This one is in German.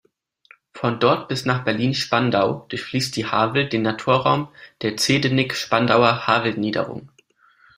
Von dort bis nach Berlin-Spandau durchfließt die Havel den Naturraum der Zehdenick-Spandauer Havelniederung.